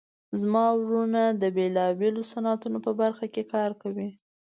زما وروڼه د بیلابیلو صنعتونو په برخه کې کار کوي